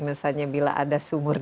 misalnya bila ada sumurga